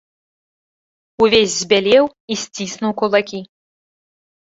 Увесь збялеў і сціснуў кулакі.